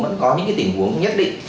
vẫn có những cái tình huống nhất định